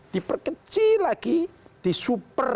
diperkecil lagi di super